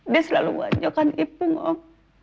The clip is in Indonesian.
dia selalu wanyokan ipung om